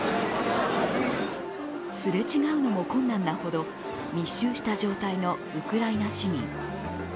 すれ違うのも困難なほど密集した状態のウクライナ市民。